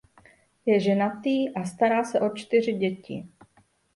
Je ženatý a stará se o čtyři děti.